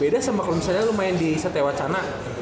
beda sama kalo misalnya lu main di setewacana